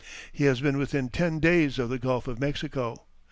He has been within ten days of the Gulf of Mexico....